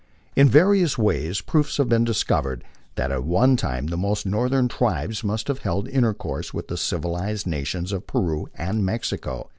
In various ways proofs have been discovered that at one time the most northern tribes must have held intercourse with the civilized nations of Peru and Mexico.